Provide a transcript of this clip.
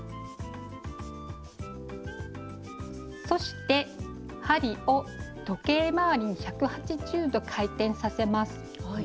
そして針を時計回りに１８０度回転させます。